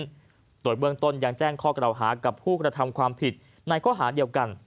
ด้วยเบื้องต้นยังแจ้งข้อกล่าวหากับผู้กระทำความผิดในข้อหาเดียวกัน